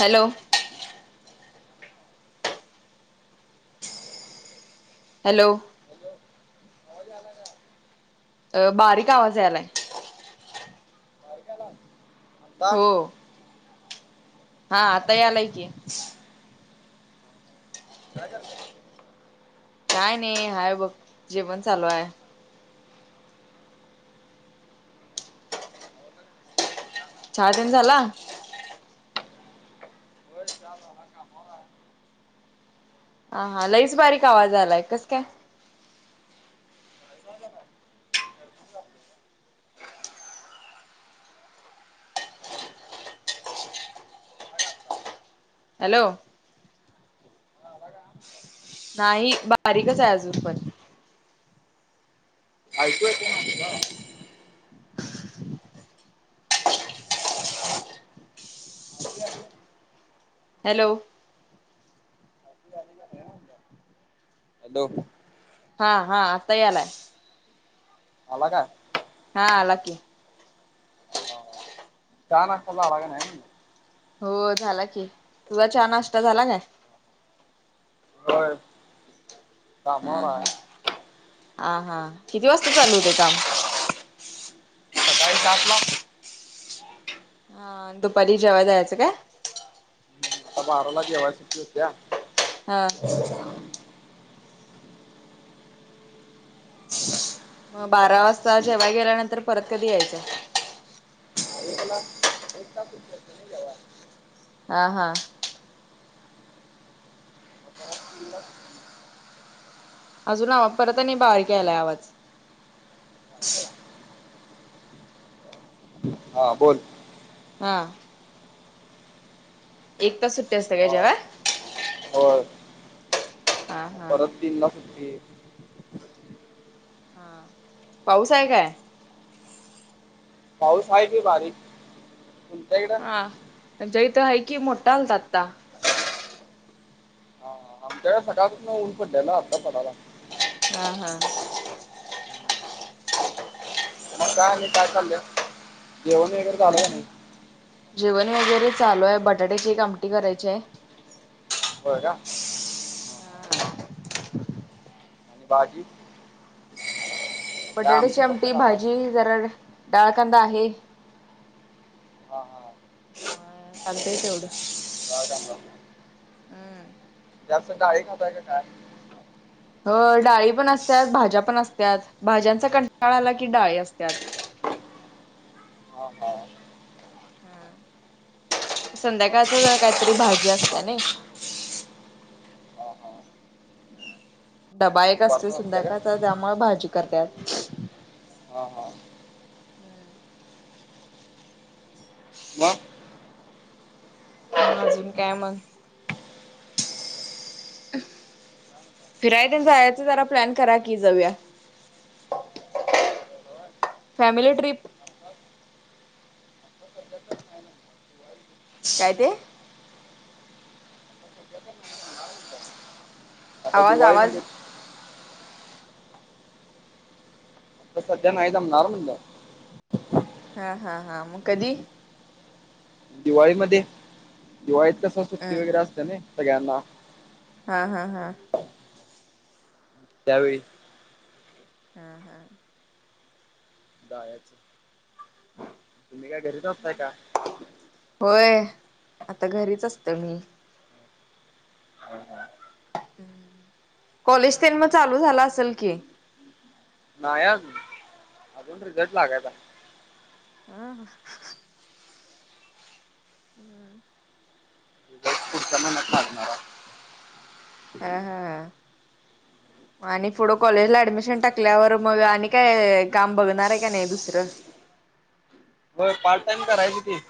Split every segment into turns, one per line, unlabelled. Hello. Hello.
Hello आवाज आला का
अ बारीक आवाज यायलाय..
बारीक आलंय.
हो. हा आता
आला काय
यालाय की.
काय करताय?
काय नाही हाय बघ जेवण चालू आहे.
होय का?
चहा तेन झाला?
चहा झाला कामावर आहे.
हा हा, लईच बारीक आवाज आलाय कस काय, हॅलो.
का?
नाही बारीकच आहे अजून पण,
ऐकू येते ना तुला?
ह. हॅलो.
हलो
हा हा आता यालाय..
अला काय?
हा आला की.
हा चहा नाश्ता झाला का नाही म्हणलं.
हो झाला की तुजा नाश्ता झाला काय?
होय. कामावर
हा
हाय.
हा हा किती वाजता चालू होते काम-
साडेसातला.
हा दुपारी जेव्हा जायचं काय?
हम्म, आता बाराला, जेव्हा शिती होत्या
हा मग
तीनला
बारा वाजता,
सुट्टी
जेव्हा गेल्यानंतर परत कधी यायचं
एकला एकता छुट्टी असत्या नाही जेव्हा
हा, हा
न
अजून परत आणि बारीक याले आवाज.
अ् हा बोल.
हा एक तास सुट्टी असतं काय जेव्हा.
मग होय.
हा, हा
तीन ला सुे
हा, पाऊस आहे काय?
पाऊस हाय कि बारीक. तुमच्या इकडं
हा, आमचा इथ हाय कि मोठा आलता आता.
आमच्या इकडं सकाळ पसन ऊन पडल्याल, आता पडालाय.
हा, हा.
मग काय नाही काय चाललय, जेवण वगैरे झाल काय नाही?
जेवण वगैरे चालू हाय, बटाट्याची एक आमटी करायची हाय.
होय काय? आणि भाजी? काय
बटाट्याची
आमची फक्त
आमटी,
खाताय
भाजी जरा डाळकांदा आहे.
हा, हा.
मग, चालतय तेवढं,
डाळ कांदा
हम्म.
जास्त डाळी खाताय कि काय?
हो डाळी पण असत्यात, भाज्या पण असत्यात, भाज्यांचा, कंटाळ आला की डाळी असत्यात.
हा, हा.
हा,
मग?
संध्याकाळच जरा काहीतरी भाजी असत्या नयी.
हा हा
डबा एक असतोय,
दुपारचं असते का
संध्याकाळचा त्यामुळे भाजी करत्यात.
हा, हा.
हम्.
मग
अजून काय मग? फिराय तेन जायचं जरा प्लॅन करा कि, जाऊया फॅमिली, ट्रिप.
सध्या तर नाही.
काय, ते?
आता
आवाज
दिवाळी
आवाज
मध्ये. सध्या नाही जमणार, म्हणलं.
हा, हा, हा, मग कधी?
दिवाळीमध्ये, दिवाळीत कस सुट्टी
हम्
वगैरे असते नयी सगळ्यांना.
हा, हा, हा.
त्यावेळी.
हा, हा.
जायाच. तुम्ही काय घरीच असताय काय?
होय, आता घरीच असतोय मी.
हो, हा.
कॉलेज, तेन मग चालू झाल असल कि?
नाही, आजून, अजून रिझल्ट लागायचा हाय.
हा, हा. हम्.
जमना काढणारा.
हा, हा, हा.
[inaudible]
आणि पुढं कॉलेजला ऍडमिशन टाकल्यावर मग आणि काय काम बघणार आहे का नाही दुसरं?
बर, पार्ट टाइम करायची कि.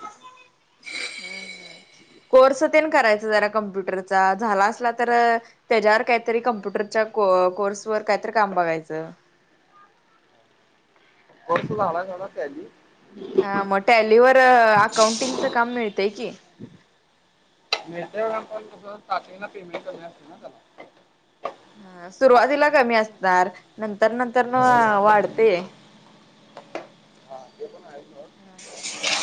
हम्म, हम कोर्स तेन करायच जरा कम्प्युटरचा झाला असला तर त्याच्यावर काहीतरी कम्प्युटरच्या कोर्सवर काहीतरी काम बघायचं.
[inaudible]
हा मग टॅलीवर अकाउंटिंगचं काम मिळतय की
मिळतय व पण कस स्टार्टिंगला पेमेंट कमी असतय ना त्याला
हा सुरुवातीला कमी असणार नंतर नंतर न वाढते
हां ते पण आहे [inaudible]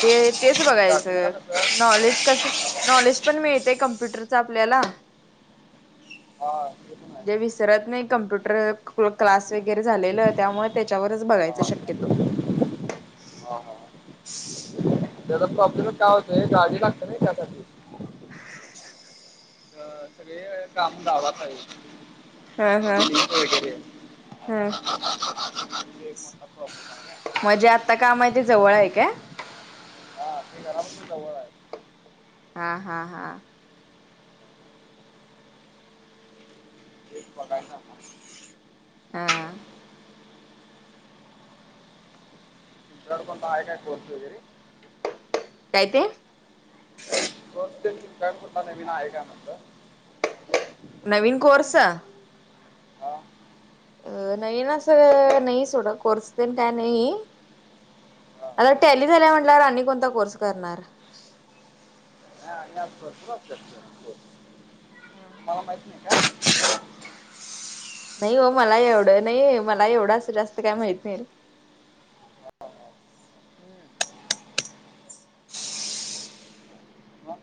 ते तेच
स्टार्टिंगला
बघायचं
कसं
नॉलेज कस नॉलेज पण मिळतय क कॉम्प्युटरचा आपल्याला
हा ते पण आहे.
जे विसरत नाही कम्प्युटर क्लास वगैरे झालेला त्यामुळे त्याच्यावरच बघायच शक्यतो
हा हा त्याचा प्रॉब्लेम काय होतोय ते गाडी लागत्या ना त्यासाठी अ सगळे व काम गावात आहेत
हा हा
ट्रेनचे खरं
हा
मोठा प्रॉब्लेम आहे [inaudible]
म्हणजे आत्ता काम आहे ते जवळ आहे काय
हा ते घरापासून जवळ आहे
हा हा हा
पगार चांगलय
हा
तुमच्यावर कोण आहे काय कोणता वगैरे
काय ते
कोर्स तर कुठला नवीन आहे का म्हणलं
नवीन कोर्स
हा
अ नाही ना असं नाही सोडा कोर्स देण काय नाही
हां
आता टॅली झाल्या म्हटल्यावर आणि कोणता कोर्स करणार
आणि समजल नाही [inaudible] तुम्हाला माहित नाही का
नाही हो मला एवढं नाही मला एवढं असं जास्त काय माहित नाही
मग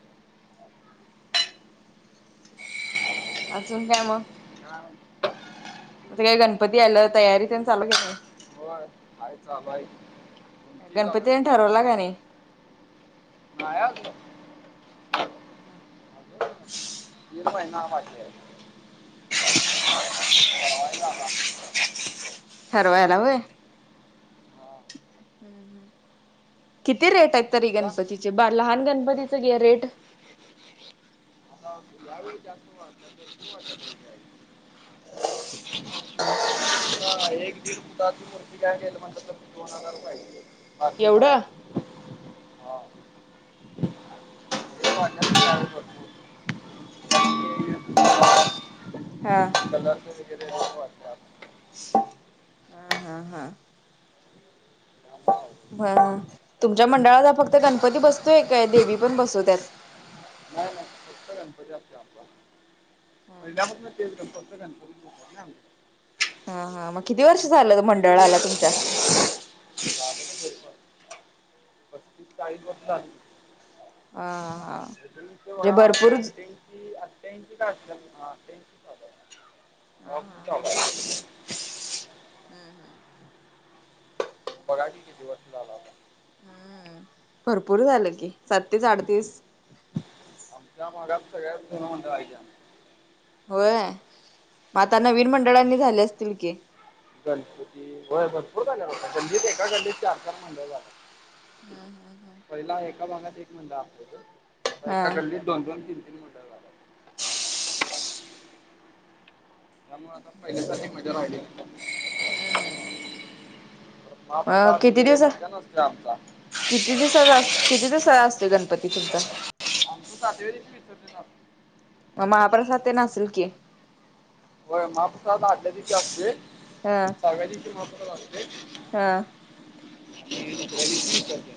अजून काय मग
काय
आता काय गणपती आलं तयारी तन चालू
होय चालू आहे तुमची चालू आहे की
गणपतीनी तन
नाही?
ठरवला का नाही
नाही अजून अजून तीन महिना बाकी आहे
हा हा
ठरवायचा आता
ठरवायला होय
हां
किती रेट आहेत तरी
तुमचा
गणपतीचे ब लहान गणपतीच रेट
हा यावेळी जास्त [inaudible]
हा हा
ह एक दिडताची मूर्ती काय गेल म्हणतात तर दोन हजार पाहिजे बारकी हा
एवढं?
रेट वाढलेत नाही आता भरपूर. त्या ते युद्ध चालू आहे
हा
कलरचे वगैरे रेट वाढल्यात
हा हा हा
त्यामुळं अवघड.
ब.. तुमच्या मंडळात फक्त गणपती बसतोय काय देवी पण बसूवत्यात
नाही नाही फक्त गणपती असतोय आमचा महीला तेडटचरां कर दखो ना आ
हा हा मग किती वर्ष
आमच्याइथ
झालं
देवी
मंडळाला तुमच्या?
पस्तीस चाळीस वर्ष झाली.
हा हा म्हणजे
वडा अठ
भरपूर
इंची काची.
हा
ऑफ
हा
स्टॉक आहे.
हम्म हम्म
बघा की किती वाजता आला हा.
हम्म भरपूर झालं कि साततीस अडतीस.
आमच्या भागात सगळ्यात जुना मंडळ आहे त्या.
होय आता नवीन मंडळांनी झाले असतील की?
गणपती होय भरपूर झाल्या होय गल्लीत एका मंडळ चार पाच मंडळ झाला. पहिला एका भागात एक मंडळ असायचा आता
हा
एका गल्लीत दोन दोन तीन तीन मंडळ. झालं. त्यामुळे आता पहिल्यासारखी मजा राहिलीच नाही.
हअ
महाप्रसाद वगैरे
दिवस
मोठ्याने असतो आमचा.
किती दिवसाचा किती दिवसा असते गणपती तुमचा?
आमचा सातव्या दिवशी विसर्जन असतं.
मग महाप्रसाद ते नासेल की?
होय महाप्रसाद आठल्या दिवशी असते सहाव्या दिवशी महाप्रसाद असते.
हअ
आणि दुसऱ्या दिवशी विसर्जन.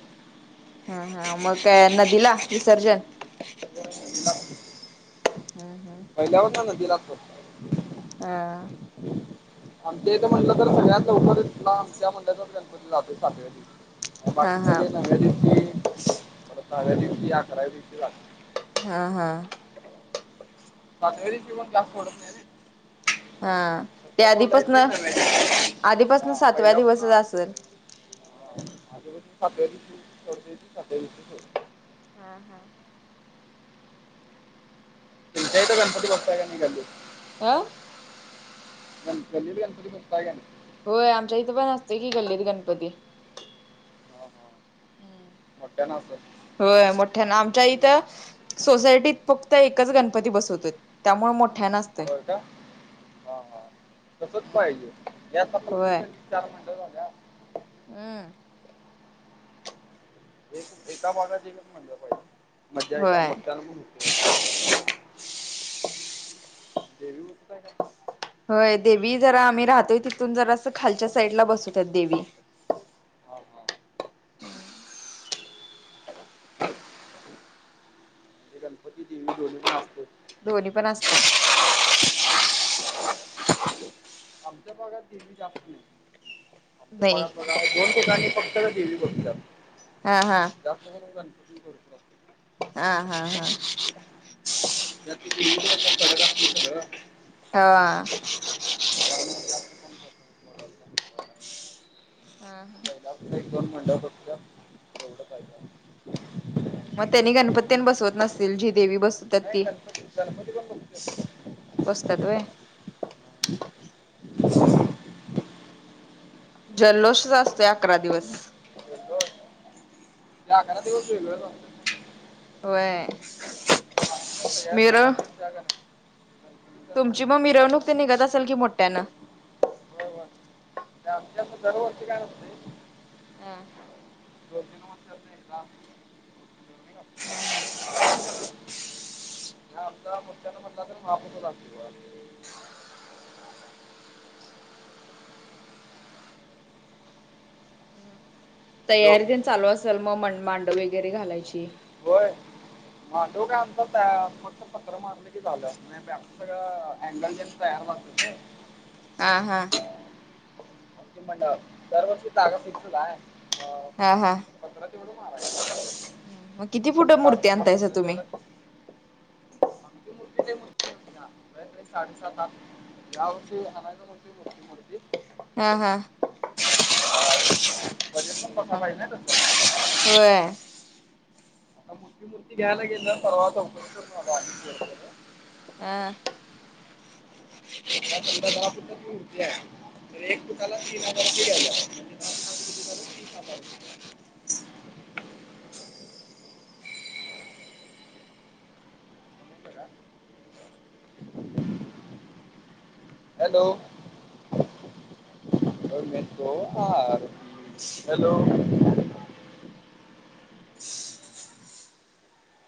ह ह मग काय नदीला विसर्जन?
होय नदीलाच विसर्जन.
हम्म हम्म
पहिल्यापासून नदीलाच करतो.
हा
आमच्या एक म्हटलं तर सगळ्या गणपतीच आमच्या म्हट तर गणपती जातो सातव्या दिवशी.
हा
बाकी
हा
सगळे नव्या दिवशी नव्या दिवशी अकराव्या दिवशी लागतात.
हा हा
सातव्या दिवशी पण जास्त सोडत नाही रे.
हा ते
शक्यतो नाहीतर
आधीपासन
लईच नव्या दिवशी
आधीपासन सातव्या दिवसच
पहिल्यापासून.
असेल
हो माझ सातव्या च सात्या.
हा हा
तुमच्या इथे गणपती बसता का नाही गल्लीत?
आ
गणपती गल्लीत गणपती बसता का नाही?
होय आमच्या इथं पण असते की गल्लीत गणपती.
हा हा मोठ्यांना असेल.
होय मोठ्यान आमच्या इथं. सोसायटीत फक्त एकच गणपती बसवतो त्यामुळे मोठ्याना असत.
होय का? हा- हा तसच पाहिजे याचा प्रत्येक विचार मंडळ झाला.
हम्म.
एक एका वार्डात एकच मंडळ पाहिजे मज्जा येत
होय
मतदान पण होते. देवी उठताय काय?
होय देवी जरा आम्ही राहतोय. तिथून जरा अस खालच्या साईडला बसवतात देवी.
हा हा हे गणपती देवी दोन्ही पण का?
दोन्ही पण असते.
आमच्या भागात देवी जास्त नाही. आमच्या
नाही
भागात दोन ठिकाणी फक्त देवी बसतात.
हा - हा.
जास्त करून गणपती करतो.
हा - हा - हा.
त्यात ती दीवी कडक असली तर.
हा.
[inaudible]
हा
महिला एक दोन मंडळ फक्त का एवढं फायदा.
मग त्यांनी गणपतीनी बसवत नसत जी देवी बसतील.
नाही गणपती -गणपती पण बसतोय.
बसात्यात व्हय. जल्लोषच असतोय अकरा दिवस.
जल्लोष? ते अकरा दिवस वेगळंच असतंय.
होय. मिरळ
[inaudible]
तुमची मग मिरवणूक ते निघत असेल की मोठ्यान?
वाय वाय आमच्या दरवर्षी काय नसतय.
ह.
दोन तीन वर्षातन एकदा
हा हा.
अस [inaudible] आमचा मोठ्यान म्हटला तर महाप्रसाद आसतोय. हॅलो
तयारी देण चालू असेल मग म मांडव वगैरे घालायची?
होय. ह मांडव काय आमचा त्या फक्त पत्रा मारल की झालं. बाकी सगळं अँगल तयार असत.
हा - हा.
आमची मंडळ दरवर्षी जागा फिक्सच आहे म
हा हा
पत्र तेवढं मारायच.
मग किती फुट मूर्ती आणताायच तुम्ही?
तेवढं आमची मुर्ती लय मोठी असात्या लयत- लय साडेसात आठ यावर्षी आणायच म्हणतोय मोठी मूर्ती.
हा - हा.
बजेट पण बसाय पाहिजे ना तस.
व्हय.
मोठी मूर्ती घ्यायला गेलो ना परवा चौकशी करून आलो आम्ही.
हा.
आता समजा दहा फुटांची मूर्तीय. तर एक फुटाला त्याला तीन हजार रुपय दयाला लागतय. [inaudible] बघा. हॅलो. हॅलो.